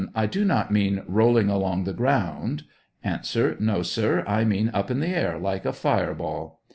I do not merfn rolling along the ground ? A. No, sir ; I mean up in the air, like a fire ball.